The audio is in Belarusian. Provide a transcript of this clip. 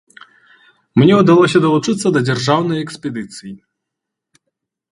Мне ўдалося далучыцца да дзяржаўнай экспедыцыі.